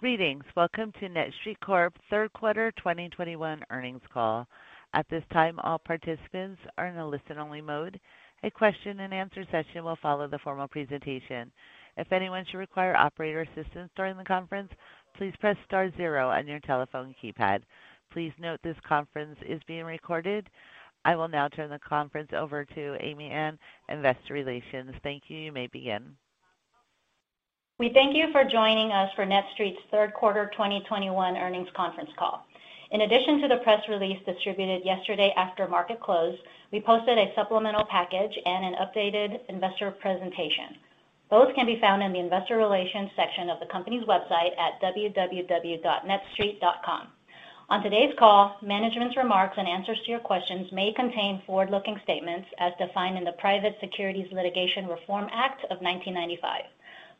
Greetings. Welcome to NETSTREIT Corp. third quarter 2021 earnings call. At this time, all participants are in a listen-only mode. A question-and-answer session will follow the formal presentation. If anyone should require operator assistance during the conference, please press star zero on your telephone keypad. Please note this conference is being recorded. I will now turn the conference over to Amy An, Investor Relations. Thank you. You may begin. We thank you for joining us for NETSTREIT's third quarter 2021 earnings conference call. In addition to the press release distributed yesterday after market close, we posted a supplemental package and an updated investor presentation. Both can be found in the investor relations section of the company's website at netstreit.com. On today's call, management's remarks and answers to your questions may contain forward-looking statements as defined in the Private Securities Litigation Reform Act of 1995.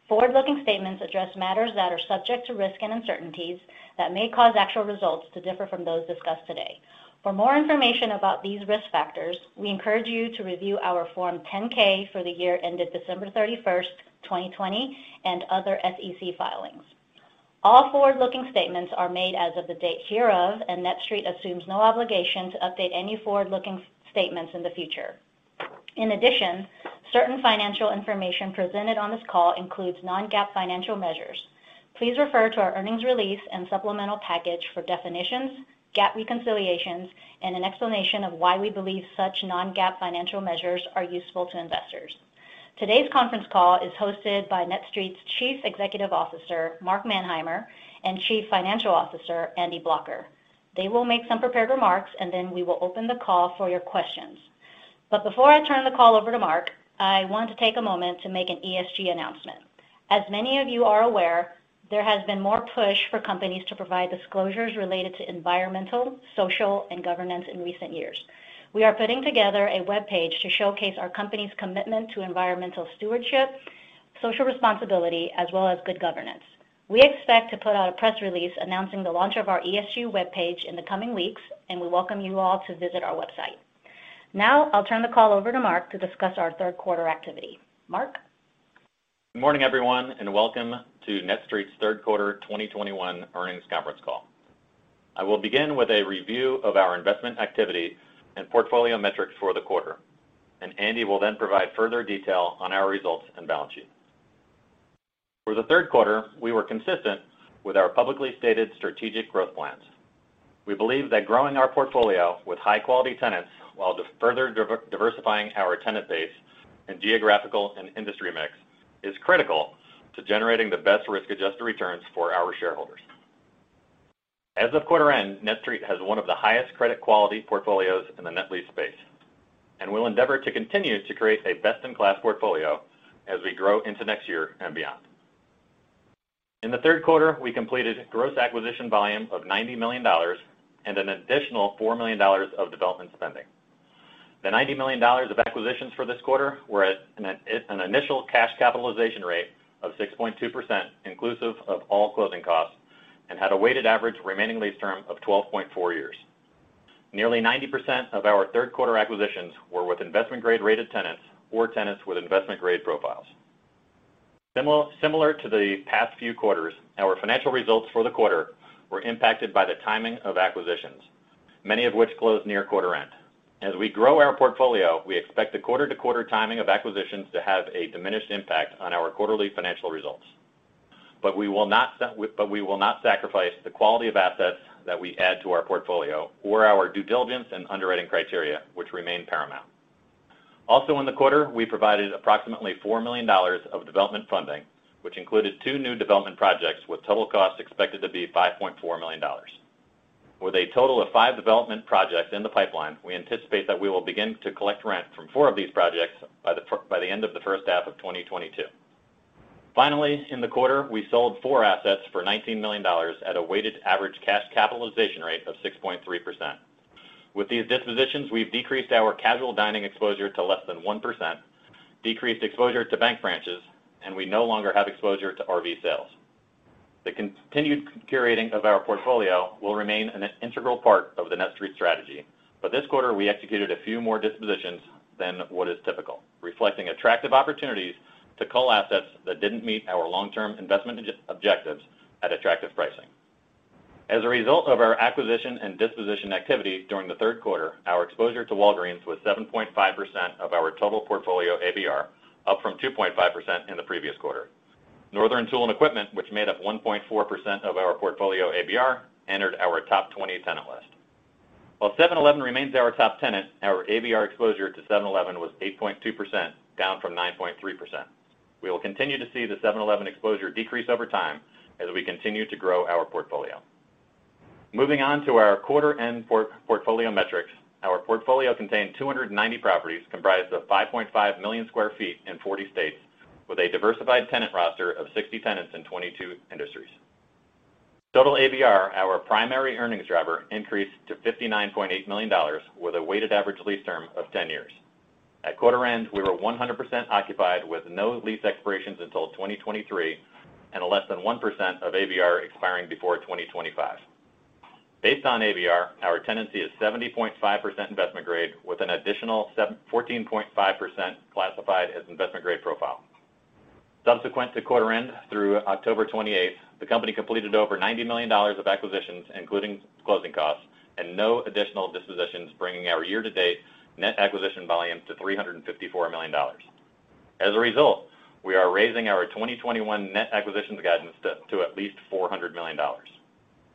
Forward-looking statements address matters that are subject to risks and uncertainties that may cause actual results to differ from those discussed today. For more information about these risk factors, we encourage you to review our Form 10-K for the year ended December 31, 2020, and other SEC filings. All forward-looking statements are made as of the date hereof, and NETSTREIT assumes no obligation to update any forward-looking statements in the future. In addition, certain financial information presented on this call includes non-GAAP financial measures. Please refer to our earnings release and supplemental package for definitions, GAAP reconciliations, and an explanation of why we believe such non-GAAP financial measures are useful to investors. Today's conference call is hosted by NETSTREIT's Chief Executive Officer, Mark Manheimer, and Chief Financial Officer, Andy Blocher. They will make some prepared remarks, and then we will open the call for your questions. Before I turn the call over to Mark, I want to take a moment to make an ESG announcement. As many of you are aware, there has been more push for companies to provide disclosures related to environmental, social, and governance in recent years. We are putting together a webpage to showcase our company's commitment to environmental stewardship, social responsibility, as well as good governance. We expect to put out a press release announcing the launch of our ESG webpage in the coming weeks, and we welcome you all to visit our website. Now, I'll turn the call over to Mark to discuss our third quarter activity. Mark? Good morning, everyone, and welcome to NETSTREIT's third quarter 2021 earnings conference call. I will begin with a review of our investment activity and portfolio metrics for the quarter, and Andy will then provide further detail on our results and balance sheet. For the third quarter, we were consistent with our publicly stated strategic growth plans. We believe that growing our portfolio with high-quality tenants while further diversifying our tenant base and geographical and industry mix is critical to generating the best risk-adjusted returns for our shareholders. As of quarter end, NETSTREIT has one of the highest credit quality portfolios in the net lease space, and we'll endeavor to continue to create a best-in-class portfolio as we grow into next year and beyond. In the third quarter, we completed gross acquisition volume of $90 million and an additional $4 million of development spending. The $90 million of acquisitions for this quarter were at an initial cash capitalization rate of 6.2% inclusive of all closing costs and had a weighted average remaining lease term of 12.4 years. Nearly 90% of our third quarter acquisitions were with investment grade rated tenants or tenants with investment grade profiles. Similar to the past few quarters, our financial results for the quarter were impacted by the timing of acquisitions, many of which closed near quarter end. As we grow our portfolio, we expect the quarter-to-quarter timing of acquisitions to have a diminished impact on our quarterly financial results. We will not sacrifice the quality of assets that we add to our portfolio or our due diligence and underwriting criteria, which remain paramount. Also in the quarter, we provided approximately $4 million of development funding, which included two new development projects with total costs expected to be $5.4 million. With a total of five development projects in the pipeline, we anticipate that we will begin to collect rent from four of these projects by the end of the first half of 2022. Finally, in the quarter, we sold four assets for $19 million at a weighted average cash capitalization rate of 6.3%. With these dispositions, we've decreased our casual dining exposure to less than 1%, decreased exposure to bank branches, and we no longer have exposure to RV sales. The continued curating of our portfolio will remain an integral part of the NETSTREIT strategy. This quarter, we executed a few more dispositions than what is typical, reflecting attractive opportunities to cull assets that didn't meet our long-term investment objectives at attractive pricing. As a result of our acquisition and disposition activity during the third quarter, our exposure to Walgreens was 7.5% of our total portfolio ABR, up from 2.5% in the previous quarter. Northern Tool + Equipment, which made up 1.4% of our portfolio ABR, entered our top 20 tenant list. While 7-Eleven remains our top tenant, our ABR exposure to 7-Eleven was 8.2%, down from 9.3%. We will continue to see the 7-Eleven exposure decrease over time as we continue to grow our portfolio. Moving on to our quarter-end portfolio metrics. Our portfolio contained 290 properties comprised of 5.5 million sq ft in 20 states with a diversified tenant roster of 60 tenants in 22 industries. Total ABR, our primary earnings driver, increased to $59.8 million with a weighted average lease term of 10 years. At quarter end, we were 100% occupied with no lease expirations until 2023 and less than 1% of ABR expiring before 2025. Based on ABR, our tenancy is 70.5% investment grade with an additional 14.5% classified as investment grade profile. Subsequent to quarter end through October 28, the company completed over $90 million of acquisitions, including closing costs and no additional dispositions, bringing our year-to-date net acquisition volume to $354 million. As a result, we are raising our 2021 net acquisitions guidance to at least $400 million.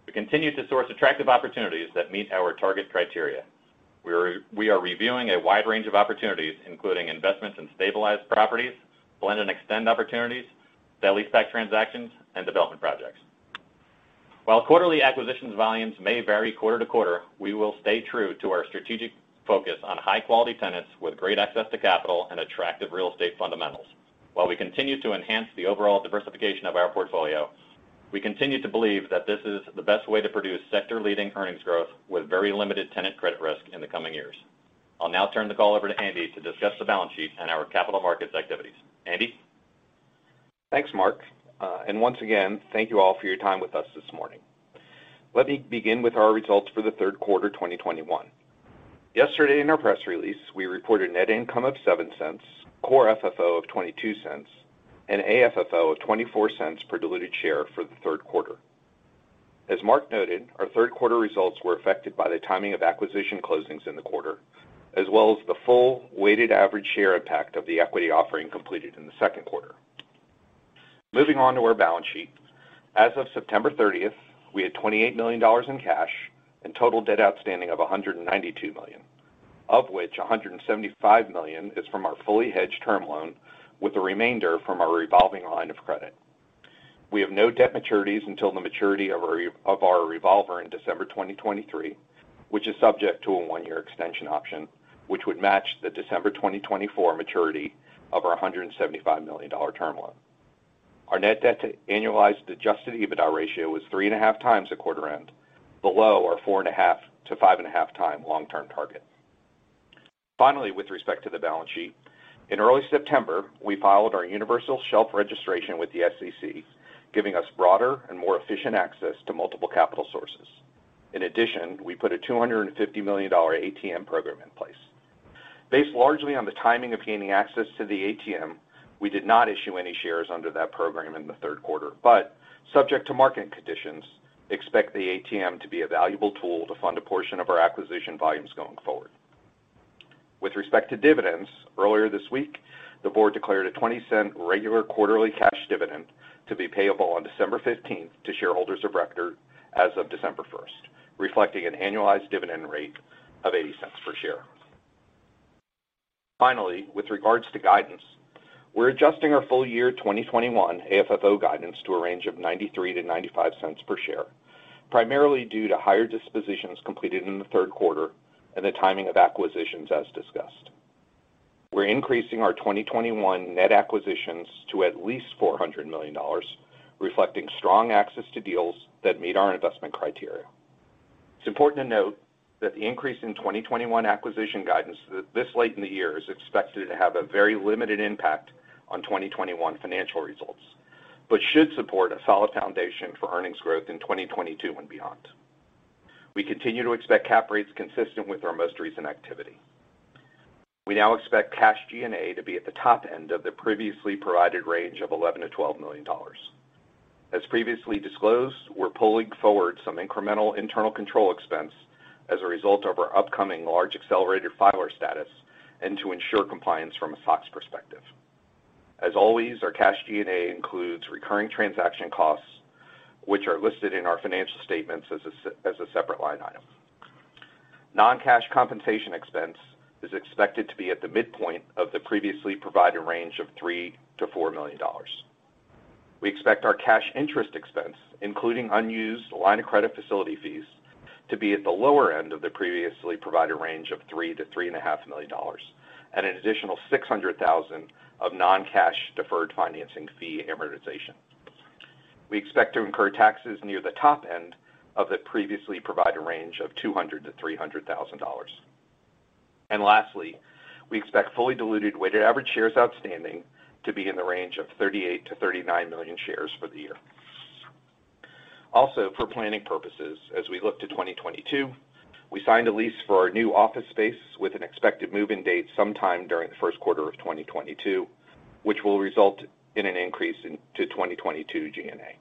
We continue to source attractive opportunities that meet our target criteria. We are reviewing a wide range of opportunities, including investments in stabilized properties, blend and extend opportunities, net lease-back transactions, and development projects. While quarterly acquisitions volumes may vary quarter to quarter, we will stay true to our strategic focus on high quality tenants with great access to capital and attractive real estate fundamentals. While we continue to enhance the overall diversification of our portfolio, we continue to believe that this is the best way to produce sector leading earnings growth with very limited tenant credit risk in the coming years. I'll now turn the call over to Andy to discuss the balance sheet and our capital markets activities. Andy. Thanks, Mark. Once again, thank you all for your time with us this morning. Let me begin with our results for the third quarter 2021. Yesterday in our press release, we reported net income of $0.07, core FFO of $0.22, and AFFO of $0.24 per diluted share for the third quarter. As Mark noted, our third quarter results were affected by the timing of acquisition closings in the quarter, as well as the full weighted average share impact of the equity offering completed in the second quarter. Moving on to our balance sheet. As of September 30, we had $28 million in cash and total debt outstanding of $192 million, of which $175 million is from our fully hedged term loan with the remainder from our revolving line of credit. We have no debt maturities until the maturity of our revolver in December 2023, which is subject to a one-year extension option, which would match the December 2024 maturity of our $175 million term loan. Our net debt to annualized adjusted EBITDA ratio was 3.5x at quarter end, below our 4.5-5.5x long-term target. Finally, with respect to the balance sheet, in early September, we filed our universal shelf registration with the SEC, giving us broader and more efficient access to multiple capital sources. In addition, we put a $250 million ATM program in place. Based largely on the timing of gaining access to the ATM, we did not issue any shares under that program in the third quarter, but subject to market conditions, expect the ATM to be a valuable tool to fund a portion of our acquisition volumes going forward. With respect to dividends, earlier this week, the board declared a $0.20 regular quarterly cash dividend to be payable on December15 to shareholders of record as of December 1, reflecting an annualized dividend rate of $0.80 per share. Finally, with regards to guidance, we're adjusting our full-year 2021 AFFO guidance to a range of $0.93-$0.95 per share, primarily due to higher dispositions completed in the third quarter and the timing of acquisitions as discussed. We're increasing our 2021 net acquisitions to at least $400 million, reflecting strong access to deals that meet our investment criteria. It's important to note that the increase in 2021 acquisition guidance this late in the year is expected to have a very limited impact on 2021 financial results, but should support a solid foundation for earnings growth in 2022 and beyond. We continue to expect cap rates consistent with our most recent activity. We now expect cash G&A to be at the top end of the previously provided range of $11 million-$12 million. As previously disclosed, we're pulling forward some incremental internal control expense as a result of our upcoming large accelerated filer status and to ensure compliance from a SOX perspective. As always, our cash G&A includes recurring transaction costs, which are listed in our financial statements as a separate line item. Non-cash compensation expense is expected to be at the midpoint of the previously provided range of $3 million-$4 million. We expect our cash interest expense, including unused line of credit facility fees, to be at the lower end of the previously provided range of $3 million-$3.5 million and an additional $600,000 of non-cash deferred financing fee amortization. We expect to incur taxes near the top end of the previously provided range of $200,000-$300,000. Lastly, we expect fully diluted weighted average shares outstanding to be in the range of 38 million-39 million shares for the year. For planning purposes, as we look to 2022, we signed a lease for our new office space with an expected move-in date sometime during the first quarter of 2022, which will result in an increase into 2022 G&A.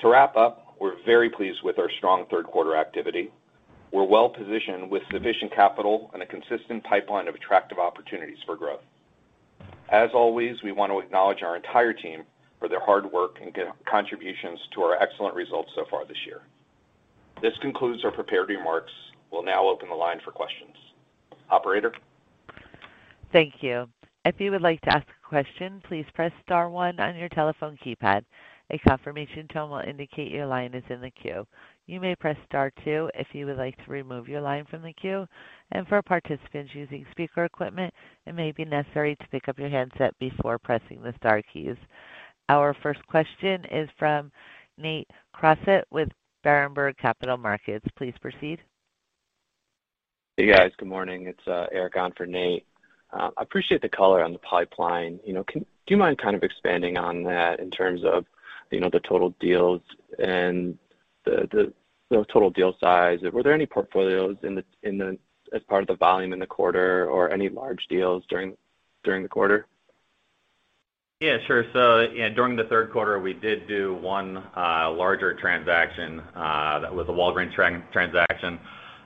To wrap up, we're very pleased with our strong third quarter activity. We're well positioned with sufficient capital and a consistent pipeline of attractive opportunities for growth. As always, we want to acknowledge our entire team for their hard work and contributions to our excellent results so far this year. This concludes our prepared remarks. We'll now open the line for questions. Operator. Thank you. If you would like to ask a question, please press star one on your telephone keypad. A confirmation tone will indicate your line is in the queue. You may press star two if you would like to remove your line from the queue. For participants using speaker equipment, it may be necessary to pick up your handset before pressing the star keys. Our first question is from Nate Crossett with Berenberg Capital Markets. Please proceed. Hey guys, good morning. It's Eric on for Nate. Appreciate the color on the pipeline. You know, do you mind kind of expanding on that in terms of, you know, the total deals and the total deal size? Were there any portfolios as part of the volume in the quarter or any large deals during the quarter? Yeah, sure. During the third quarter, we did do one larger transaction that was a Walgreens transaction,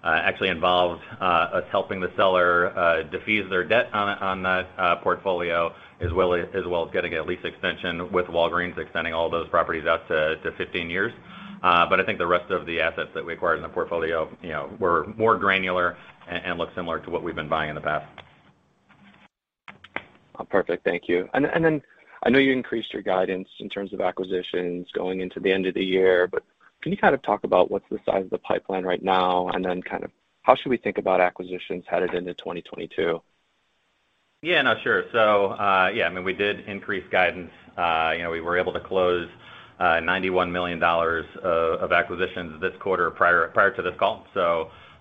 actually involved us helping the seller defease their debt on that portfolio, as well as getting a lease extension with Walgreens extending all those properties out to 15 years. But I think the rest of the assets that we acquired in the portfolio, you know, were more granular and look similar to what we've been buying in the past. Perfect. Thank you. I know you increased your guidance in terms of acquisitions going into the end of the year, but can you kind of talk about what's the size of the pipeline right now? Kind of how should we think about acquisitions headed into 2022? Yeah. No, sure. Yeah, I mean, we did increase guidance. You know, we were able to close $91 million of acquisitions this quarter prior to this call.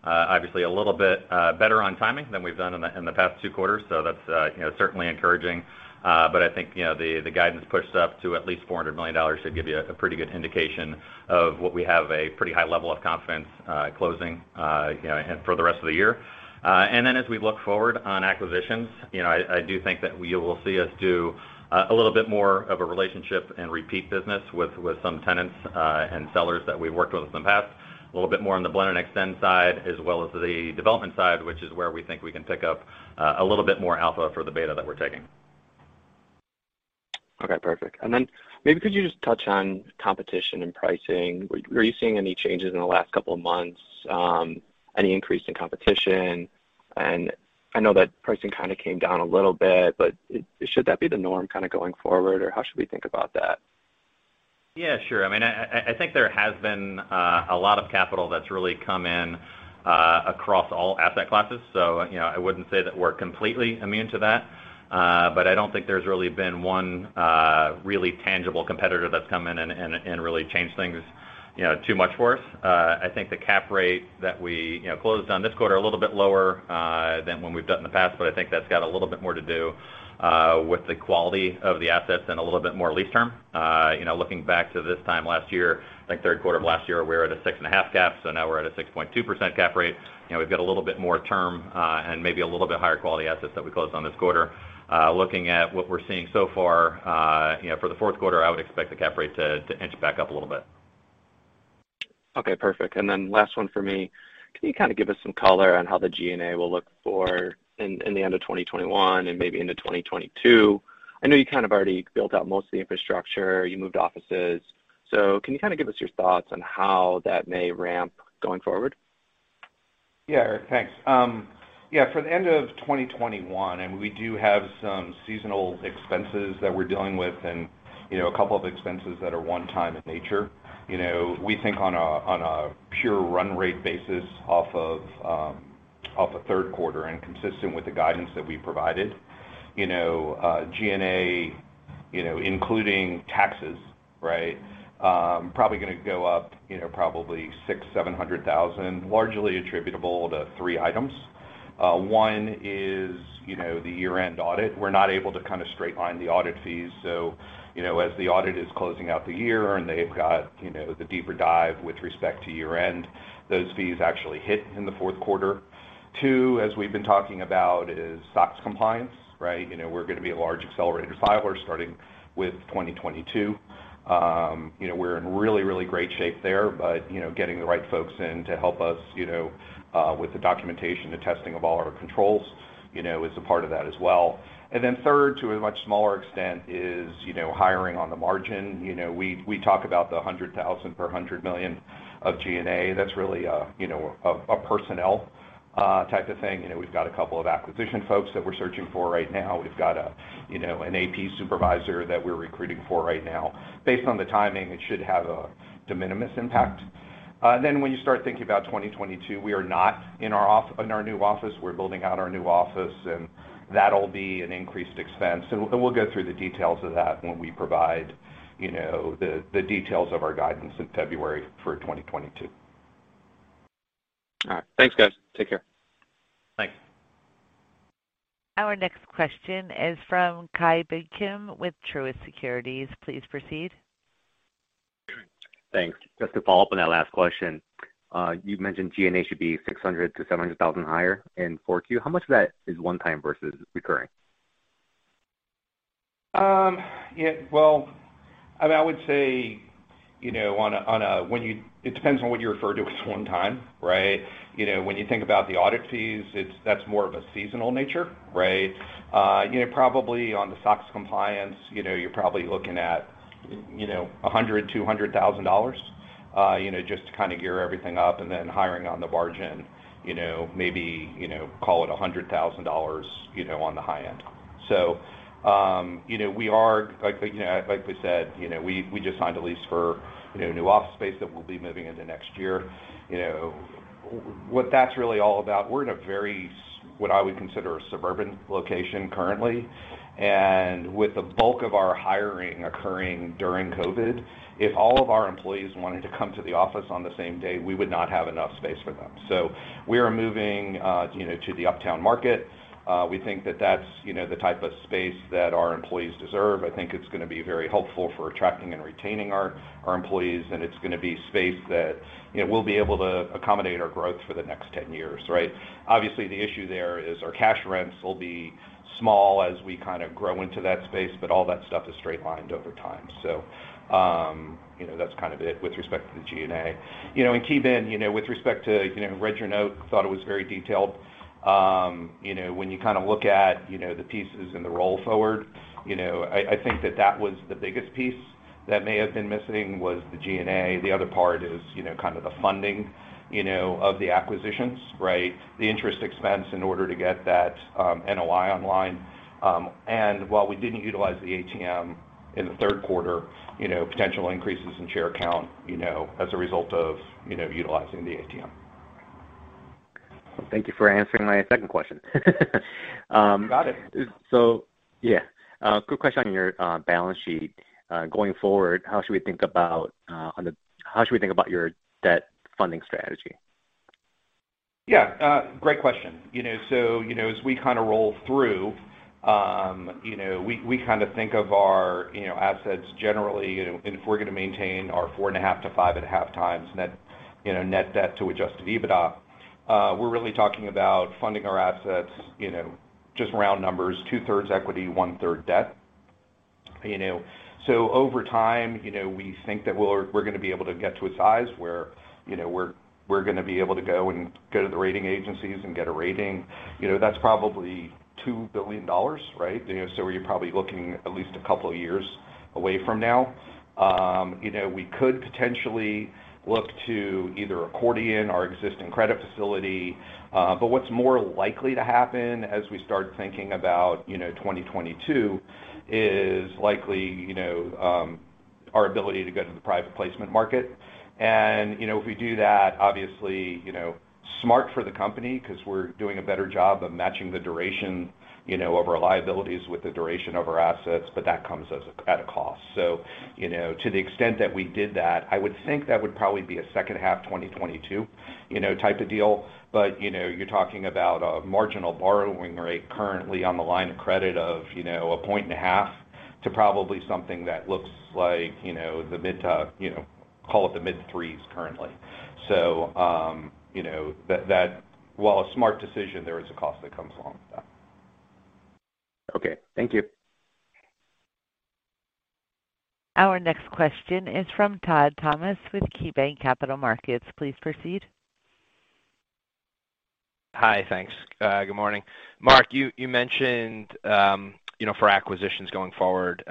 Obviously a little bit better on timing than we've done in the past two quarters. That's, you know, certainly encouraging. I think, you know, the guidance pushed up to at least $400 million should give you a pretty good indication of what we have a pretty high level of confidence closing, you know, for the rest of the year. As we look forward on acquisitions, you know, I do think that we will see us do a little bit more of a relationship and repeat business with some tenants and sellers that we've worked with in the past, a little bit more on the blend and extend side as well as the development side, which is where we think we can pick up a little bit more alpha for the beta that we're taking. Okay, perfect. Maybe could you just touch on competition and pricing. Were you seeing any changes in the last couple of months, any increase in competition? I know that pricing kind of came down a little bit, but should that be the norm kind of going forward, or how should we think about that? Yeah, sure. I mean, I think there has been a lot of capital that's really come in across all asset classes. So, you know, I wouldn't say that we're completely immune to that. But I don't think there's really been one really tangible competitor that's come in and really changed things, you know, too much worse. I think the cap rate that we, you know, closed on this quarter a little bit lower than what we've done in the past, but I think that's got a little bit more to do with the quality of the assets and a little bit more lease term. Looking back to this time last year, I think third quarter of last year, we were at a 6.5% cap, so now we're at a 6.2% cap rate. You know, we've got a little bit more term and maybe a little bit higher quality assets that we closed on this quarter. Looking at what we're seeing so far, you know, for the fourth quarter, I would expect the cap rate to inch back up a little bit. Okay, perfect. Then last one for me. Can you kind of give us some color on how the G&A will look for in the end of 2021 and maybe into 2022? I know you kind of already built out most of the infrastructure, you moved offices. Can you kind of give us your thoughts on how that may ramp going forward? Yeah. Eric, thanks. For the end of 2021, we do have some seasonal expenses that we're dealing with and, you know, a couple of expenses that are one-time in nature. You know, we think on a pure run rate basis off of the third quarter and consistent with the guidance that we provided. You know, G&A, you know, including taxes, right, probably gonna go up, you know, probably $600,000-$700,000, largely attributable to three items. One is the year-end audit. We're not able to kind of straight line the audit fees. You know, as the audit is closing out the year and they've got, you know, the deeper dive with respect to year-end, those fees actually hit in the fourth quarter. Two, as we've been talking about, is SOX compliance, right? You know, we're gonna be a large accelerated filer starting with 2022. You know, we're in really great shape there, but you know, getting the right folks in to help us, you know, with the documentation, the testing of all our controls, you know, is a part of that as well. Third, to a much smaller extent is, you know, hiring on the margin. You know, we talk about the $100,000 per $100 million of G&A. That's really a personnel type of thing. You know, we've got a couple of acquisition folks that we're searching for right now. We've got an AP supervisor that we're recruiting for right now. Based on the timing, it should have a de minimis impact. When you start thinking about 2022, we are not in our new office. We're building out our new office, and that'll be an increased expense. We'll go through the details of that when we provide, you know, the details of our guidance in February for 2022. All right. Thanks, guys. Take care. Thanks. Our next question is from Ki Bin Kim with Truist Securities. Please proceed. Thanks. Just to follow up on that last question. You mentioned G&A should be $600,000-$700,000 higher in Q4. How much of that is one time versus recurring? Yeah, well, I mean, I would say, you know, on a when you it depends on what you refer to as one time, right? You know, when you think about the audit fees, that's more of a seasonal nature, right? You know, probably on the SOX compliance, you know, you're probably looking at, you know, $100,000-$200,000, you know, just to kind of gear everything up and then hiring on the margin, you know, maybe, you know, call it $100,000, you know, on the high end. You know, we are like, you know, like we said, you know, we just signed a lease for, you know, new office space that we'll be moving into next year. You know, what that's really all about, we're in a very, what I would consider, a suburban location currently. With the bulk of our hiring occurring during COVID, if all of our employees wanted to come to the office on the same day, we would not have enough space for them. We are moving, you know, to the uptown market. We think that that's, you know, the type of space that our employees deserve. I think it's gonna be very helpful for attracting and retaining our employees, and it's gonna be space that, you know, we'll be able to accommodate our growth for the next 10 years, right? Obviously, the issue there is our cash rents will be small as we kind of grow into that space, but all that stuff is straight-lined over time. You know, that's kind of it with respect to the G&A. You know, Ki Bin Kim, you know, with respect to. You know, I read your note, thought it was very detailed. You know, when you kind of look at, you know, the pieces and the roll forward, you know, I think that was the biggest piece that may have been missing was the G&A. The other part is, you know, kind of the funding, you know, of the acquisitions, right? The interest expense in order to get that, NOI online. While we didn't utilize the ATM in the third quarter, you know, potential increases in share count, you know, as a result of, you know, utilizing the ATM. Thank you for answering my second question. You got it. Yeah. Quick question on your balance sheet. Going forward, how should we think about your debt funding strategy? Yeah. Great question. You know, as we kind of roll through, you know, we kind of think of our assets generally. If we're gonna maintain our 4.5-5.5x net debt to adjusted EBITDA, we're really talking about funding our assets, you know, just round numbers, 2/3 equity, 1/3 debt. You know, over time, you know, we think that we're gonna be able to get to a size where, you know, we're gonna be able to go to the rating agencies and get a rating. You know, that's probably $2 billion, right? You know, we're probably looking at least a couple of years away from now. You know, we could potentially look to either accordion our existing credit facility. What's more likely to happen as we start thinking about 2022 is likely our ability to go to the private placement market. If we do that, obviously, it's smart for the company because we're doing a better job of matching the duration of our liabilities with the duration of our assets, but that comes at a cost. To the extent that we did that, I would think that would probably be a second half 2022 type of deal. You're talking about a marginal borrowing rate currently on the line of credit of 1.5% to probably something that looks like the mid- to call it the mid-threes currently. You know, that while a smart decision, there is a cost that comes along with that. Okay, thank you. Our next question is from Todd Thomas with KeyBanc Capital Markets. Please proceed. Hi. Thanks. Good morning. Mark, you mentioned, you know, for acquisitions going forward,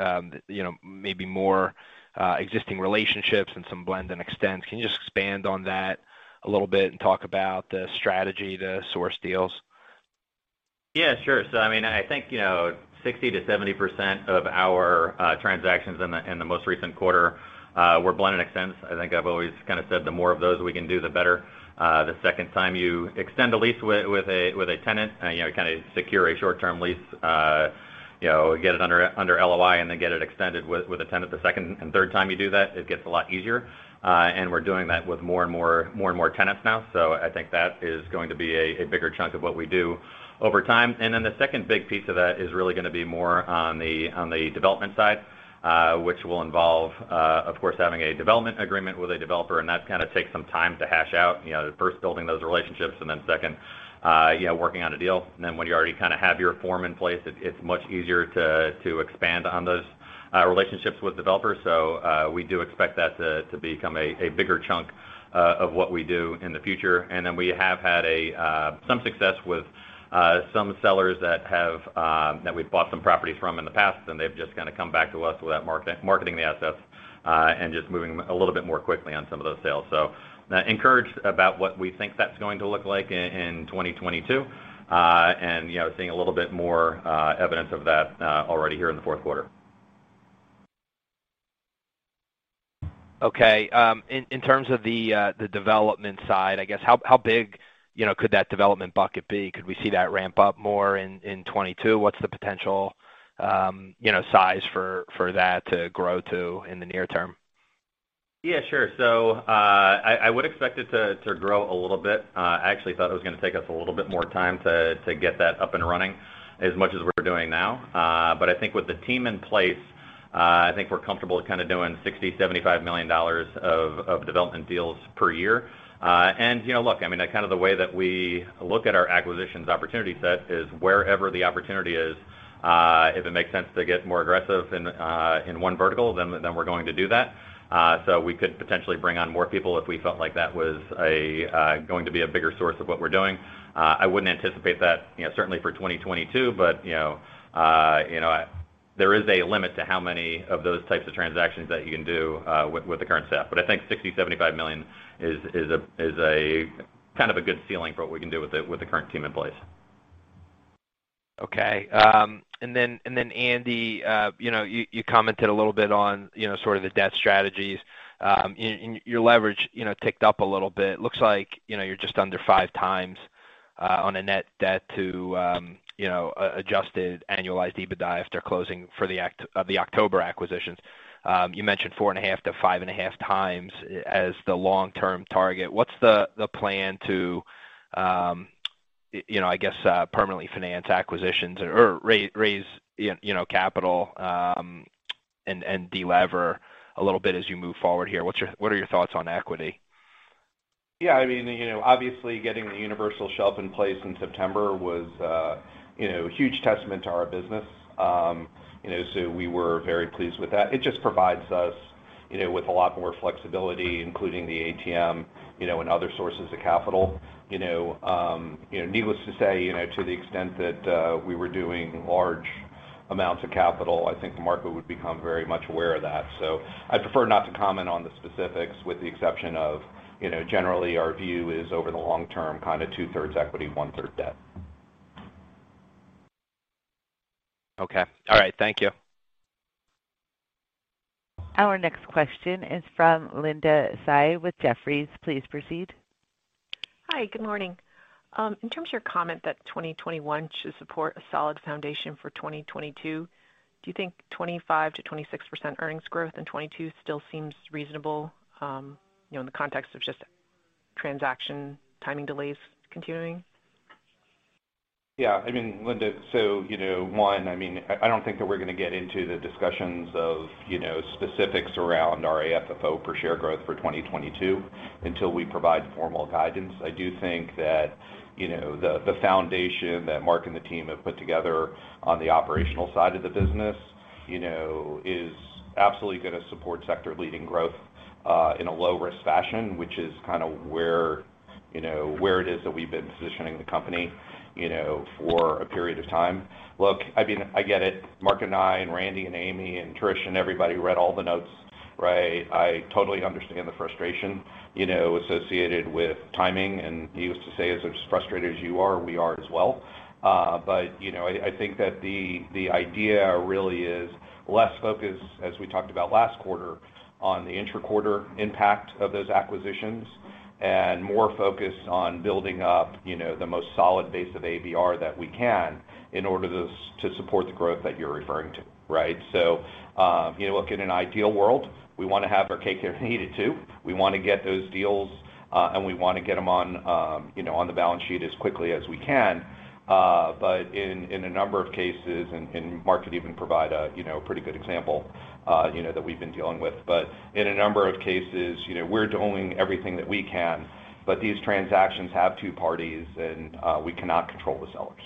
you know, maybe more existing relationships and some blend and extends. Can you just expand on that a little bit and talk about the strategy to source deals? Yeah, sure. I mean, I think, you know, 60%-70% of our transactions in the most recent quarter were blend and extends. I think I've always kind of said the more of those we can do, the better. The second time you extend a lease with a tenant, you know, kind of secure a short-term lease, you know, get it under LOI and then get it extended with a tenant. The second and third time you do that, it gets a lot easier. And we're doing that with more and more tenants now. I think that is going to be a bigger chunk of what we do over time. The second big piece of that is really gonna be more on the development side, which will involve, of course, having a development agreement with a developer, and that kind of takes some time to hash out. You know, first building those relationships, and then second, you know, working on a deal. When you already kind of have your form in place, it's much easier to expand on those relationships with developers. We do expect that to become a bigger chunk of what we do in the future. We have had some success with some sellers that we've bought some properties from in the past, and they've just kind of come back to us without marketing the assets and just moving a little bit more quickly on some of those sales. Encouraged about what we think that's going to look like in 2022, and you know, seeing a little bit more evidence of that already here in the fourth quarter. Okay. In terms of the development side, I guess how big, you know, could that development bucket be? Could we see that ramp up more in 2022? What's the potential, you know, size for that to grow to in the near term? Yeah, sure. I would expect it to grow a little bit. I actually thought it was gonna take us a little bit more time to get that up and running as much as we're doing now. But I think with the team in place, I think we're comfortable kind of doing $60 million-$75 million of development deals per year. You know, look, I mean, kind of the way that we look at our acquisitions opportunity set is wherever the opportunity is, if it makes sense to get more aggressive in one vertical, then we're going to do that. We could potentially bring on more people if we felt like that was going to be a bigger source of what we're doing. I wouldn't anticipate that, you know, certainly for 2022, but, you know, there is a limit to how many of those types of transactions that you can do with the current staff. But I think $60 million-$75 million is a kind of a good ceiling for what we can do with the current team in place. Okay. Andy, you know, you commented a little bit on, you know, sort of the debt strategies. Your leverage, you know, ticked up a little bit. Looks like, you know, you're just under 5x on a net debt to adjusted annualized EBITDA after closing for the October acquisitions. You mentioned 4.5x-5.5x as the long-term target. What's the plan to, you know, I guess, permanently finance acquisitions or raise, you know, capital, and de-lever a little bit as you move forward here? What are your thoughts on equity? Yeah, I mean, you know, obviously getting the universal shelf in place in September was a huge testament to our business. You know, so we were very pleased with that. It just provides us, you know, with a lot more flexibility, including the ATM, you know, and other sources of capital. You know, needless to say, you know, to the extent that we were doing large amounts of capital, I think the market would become very much aware of that. So I prefer not to comment on the specifics, with the exception of, you know, generally our view is over the long term, kind of 2/3 equity, 1/3 debt. Okay. All right. Thank you. Our next question is from Linda Tsai with Jefferies. Please proceed. Hi, good morning. In terms of your comment that 2021 should support a solid foundation for 2022, do you think 25%-26% earnings growth in 2022 still seems reasonable, you know, in the context of just transaction timing delays continuing? Yeah. I mean, Linda, you know, one, I mean, I don't think that we're gonna get into the discussions of, you know, specifics around our AFFO per share growth for 2022 until we provide formal guidance. I do think that, you know, the foundation that Mark and the team have put together on the operational side of the business, you know, is absolutely gonna support sector-leading growth in a low risk fashion, which is kind of where, you know, where it is that we've been positioning the company, you know, for a period of time. Look, I mean, I get it. Mark and I and Randy and Amy and Trish and everybody read all the notes, right? I totally understand the frustration, you know, associated with timing. We used to say, as frustrated as you are, we are as well. I think that the idea really is less focused, as we talked about last quarter, on the intra-quarter impact of those acquisitions and more focused on building up, you know, the most solid base of ABR that we can in order to support the growth that you're referring to, right? You know, look, in an ideal world, we wanna have our cake and eat it, too. We wanna get those deals, and we wanna get them on, you know, on the balance sheet as quickly as we can. In a number of cases, and Mark could even provide a pretty good example, you know, that we've been dealing with. In a number of cases, you know, we're doing everything that we can, but these transactions have two parties and we cannot control the sellers.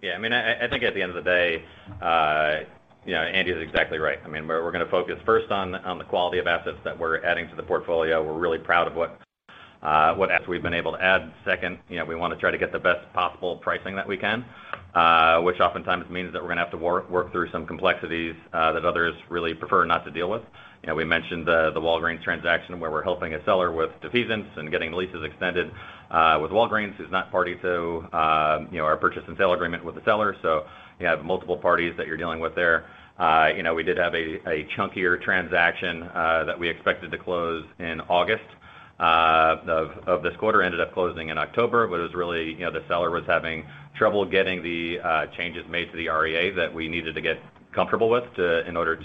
Yeah. I mean, I think at the end of the day, you know, Andy is exactly right. I mean, we're gonna focus first on the quality of assets that we're adding to the portfolio. We're really proud of what assets we've been able to add. Second, you know, we wanna try to get the best possible pricing that we can, which oftentimes means that we're gonna have to work through some complexities that others really prefer not to deal with. You know, we mentioned the Walgreens transaction, where we're helping a seller with defeasance and getting leases extended with Walgreens, who's not party to our purchase and sale agreement with the seller. You have multiple parties that you're dealing with there. You know, we did have a chunkier transaction that we expected to close in August of this quarter. It ended up closing in October, but it was really, you know, the seller was having trouble getting the changes made to the REA that we needed to get comfortable with in order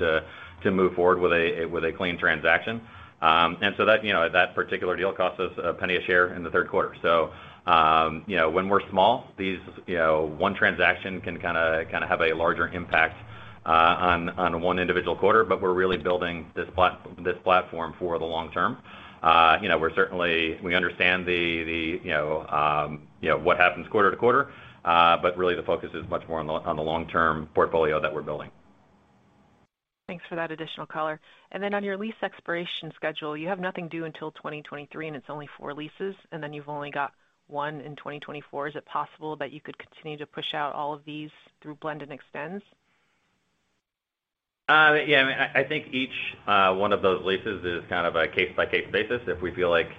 to move forward with a clean transaction. That particular deal cost us $0.01 a share in the third quarter. You know, when we're small, these, you know, one transaction can kind of have a larger impact on one individual quarter. We're really building this platform for the long term. You know, we understand, you know, what happens quarter to quarter, but really the focus is much more on the long-term portfolio that we're building. Thanks for that additional color. On your lease expiration schedule, you have nothing due until 2023, and it's only four leases, and then you've only got one in 2024. Is it possible that you could continue to push out all of these through blend and extends? Yeah, I mean, I think each one of those leases is kind of a case-by-case basis. If we feel like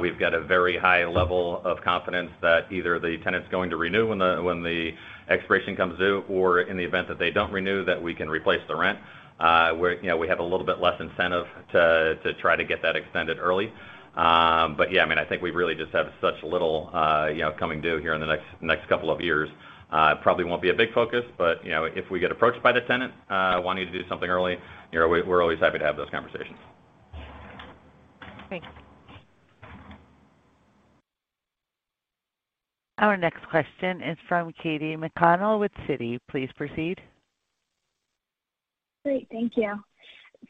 we've got a very high level of confidence that either the tenant's going to renew when the expiration comes due, or in the event that they don't renew, that we can replace the rent, we're, you know, we have a little bit less incentive to try to get that extended early. But yeah, I mean, I think we really just have such little, you know, coming due here in the next couple of years. It probably won't be a big focus, but, you know, if we get approached by the tenant wanting to do something early, you know, we're always happy to have those conversations. Thanks. Our next question is from Katy McConnell with Citi. Please proceed. Great. Thank you.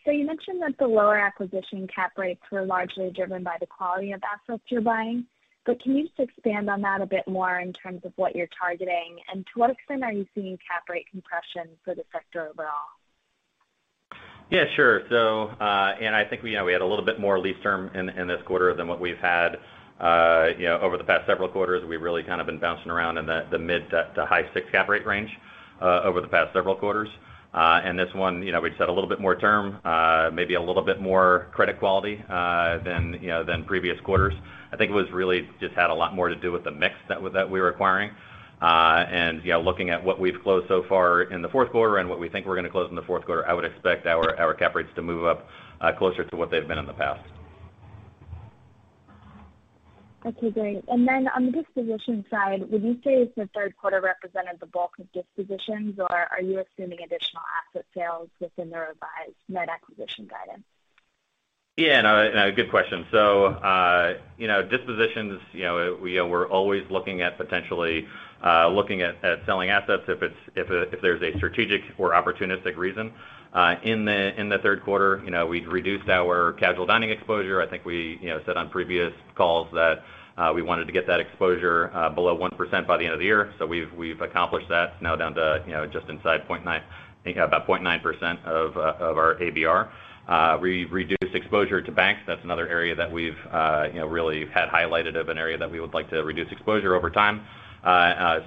You mentioned that the lower acquisition cap rates were largely driven by the quality of assets you're buying, but can you just expand on that a bit more in terms of what you're targeting? To what extent are you seeing cap rate compression for the sector overall? Yeah, sure. I think we, you know, we had a little bit more lease term in this quarter than what we've had, you know, over the past several quarters. We've really kind of been bouncing around in the mid- to high-6% cap rate range over the past several quarters. This one, you know, we just had a little bit more term, maybe a little bit more credit quality than, you know, previous quarters. I think it was really just had a lot more to do with the mix that we were acquiring. Yeah, looking at what we've closed so far in the fourth quarter and what we think we're gonna close in the fourth quarter, I would expect our cap rates to move up, closer to what they've been in the past. Okay, great. On the disposition side, would you say the third quarter represented the bulk of dispositions, or are you assuming additional asset sales within the revised net acquisition guidance? Yeah, no, good question. You know, dispositions, you know, we're always looking at potentially looking at selling assets if it's, if there's a strategic or opportunistic reason. In the third quarter, you know, we'd reduced our casual dining exposure. I think we, you know, said on previous calls that we wanted to get that exposure below 1% by the end of the year. We've accomplished that, now down to, you know, just inside 0.9%, think about 0.9% of our ABR. We reduced exposure to banks. That's another area that we've, you know, really had highlighted as an area that we would like to reduce exposure over time.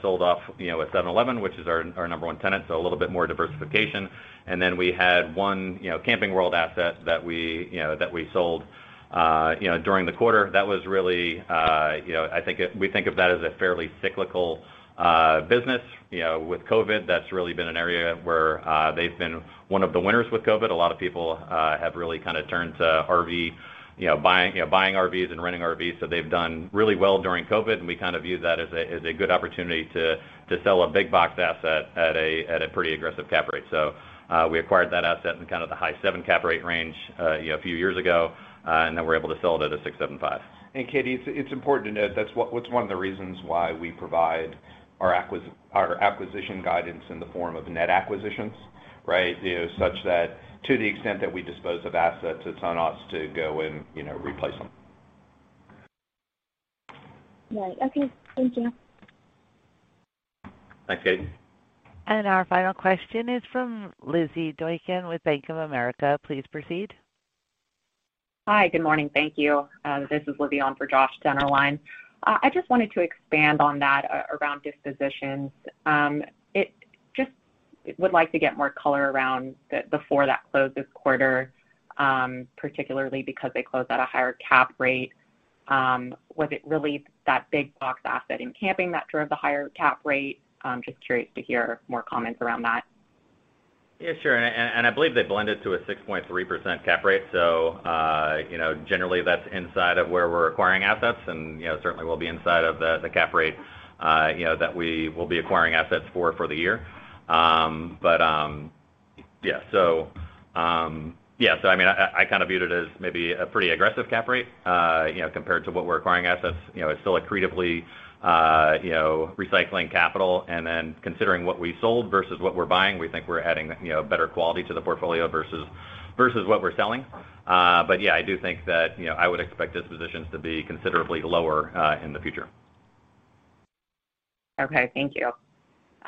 Sold off, you know, a 7-Eleven, which is our number one tenant, so a little bit more diversification. Then we had one, you know, Camping World asset that we sold, you know, during the quarter. That was really, you know, we think of that as a fairly cyclical business. You know, with COVID, that's really been an area where they've been one of the winners with COVID. A lot of people have really kind of turned to RV, you know, buying RVs and renting RVs. So they've done really well during COVID, and we kind of view that as a good opportunity to sell a big box asset at a pretty aggressive cap rate. We acquired that asset in kind of the high 7% cap rate range, you know, a few years ago, and then we're able to sell it at a 6.75%. Katie, it's important to note that's what's one of the reasons why we provide our acquisition guidance in the form of net acquisitions, right? You know, such that to the extent that we dispose of assets, it's on us to go and, you know, replace them. Right. Okay. Thank you. Thanks, Katy. Our final question is from Lizzie Doykan with Bank of America. Please proceed. Hi. Good morning. Thank you. This is Lizzie Doykan on for Josh Dennerlein. I just wanted to expand on that around dispositions. I would like to get more color around the four that closed this quarter, particularly because they closed at a higher cap rate. Was it really that big box asset in Camping World that drove the higher cap rate? I'm just curious to hear more comments around that. Yeah, sure. I believe they blended to a 6.3% cap rate. You know, generally that's inside of where we're acquiring assets, and you know, certainly will be inside of the cap rate you know, that we will be acquiring assets for the year. I mean, I kind of viewed it as maybe a pretty aggressive cap rate you know, compared to what we're acquiring assets. You know, it's still accretively you know, recycling capital. Considering what we sold versus what we're buying, we think we're adding you know, better quality to the portfolio versus what we're selling. I do think that you know, I would expect dispositions to be considerably lower in the future. Okay. Thank you.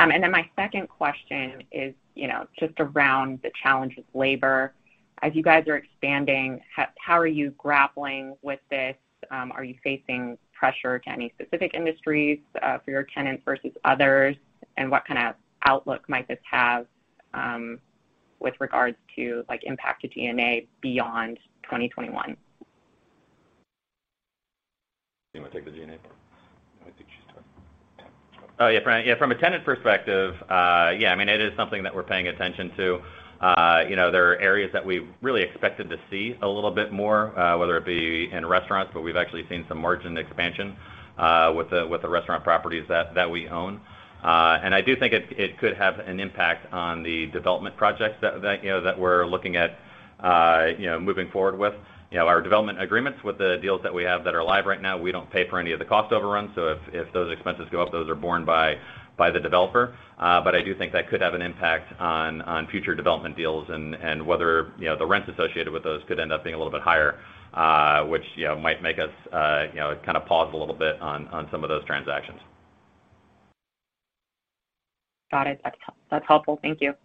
My second question is, you know, just around the challenge with labor. As you guys are expanding, how are you grappling with this? Are you facing pressure to any specific industries for your tenants versus others? What kind of outlook might this have with regards to, like, impact to G&A beyond 2021? You wanna take the G&A part? I think she's talking. Yeah, from a tenant perspective, yeah, I mean, it is something that we're paying attention to. You know, there are areas that we really expected to see a little bit more, whether it be in restaurants, but we've actually seen some margin expansion with the restaurant properties that we own. I do think it could have an impact on the development projects that you know that we're looking at, you know, moving forward with. You know, our development agreements with the deals that we have that are live right now, we don't pay for any of the cost overruns. If those expenses go up, those are borne by the developer. I do think that could have an impact on future development deals and whether, you know, the rents associated with those could end up being a little bit higher, which, you know, might make us, you know, kind of pause a little bit on some of those transactions. Got it. That's helpful. Thank you.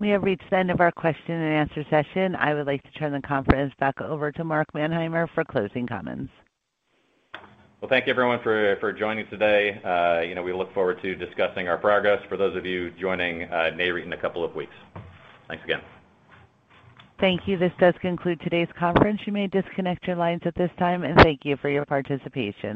We have reached the end of our question and answer session. I would like to turn the conference back over to Mark Manheimer for closing comments. Well, thank you everyone for joining today. You know, we look forward to discussing our progress for those of you joining NAREIT in a couple of weeks. Thanks again. Thank you. This does conclude today's conference. You may disconnect your lines at this time, and thank you for your participation.